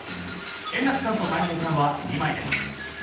円楽さんとたい平さんは２枚です。